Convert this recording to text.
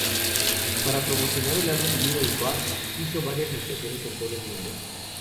Para promocionar el álbum, Little Boots hizo varias actuaciones en todo el mundo.